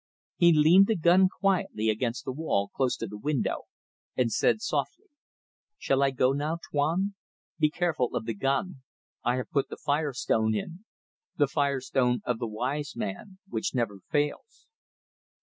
He leaned the gun quietly against the wall close to the window, and said softly: "Shall I go now, Tuan? Be careful of the gun. I have put the fire stone in. The fire stone of the wise man, which never fails."